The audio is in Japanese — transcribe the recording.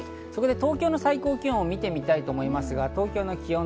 そこで東京の最高気温を見てみたいと思います。